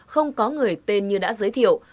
không có người tên như đã giới thiệu